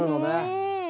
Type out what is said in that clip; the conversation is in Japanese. うん。